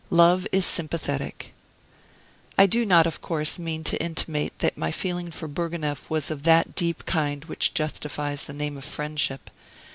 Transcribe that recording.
Love is sympathetic. I do not, of course, mean to intimate that my feeling for Bourgonef was of that deep kind which justifies the name of friendship.